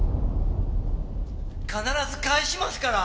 必ず返しますから！